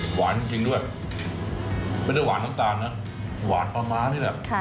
จริงด้วยไม่ได้หวานน้ำตาลนะหวานปลาม้านี่แหละ